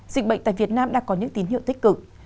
dịch bệnh tại việt nam đã có những tín hiệu tích cực